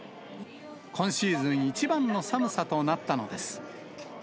今シーズン一番の寒さとなったのです。